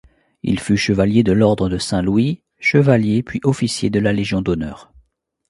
Il fut chevalier de l'Ordre de Saint-Louis, chevalier puis officier de la Légion d'honneur.